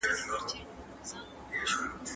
د غريبانو برخه په مال کي ورکړئ.